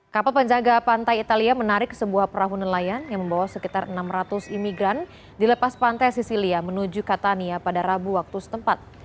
kapal penjaga pantai italia menarik sebuah perahu nelayan yang membawa sekitar enam ratus imigran di lepas pantai sisilia menuju catania pada rabu waktu setempat